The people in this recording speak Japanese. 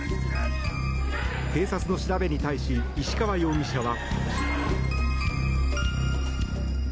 警察の調べに対し石川容疑者は。